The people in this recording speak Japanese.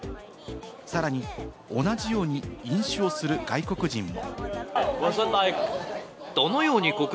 さらに、同じように飲酒をする外国人も。